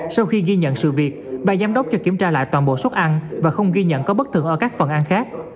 sau khi ghi nhận sự việc ba giám đốc cho kiểm tra lại toàn bộ suất ăn và không ghi nhận có bất thường ở các phần ăn khác